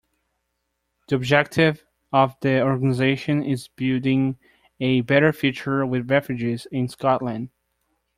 The objective of the organisation is 'building a better future with refugees in Scotland'.